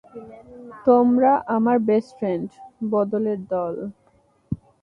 তোমরা আমার best friend, বলদের দল।